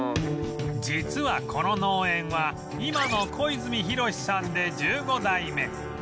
実はこの農園は今の小泉博司さんで１５代目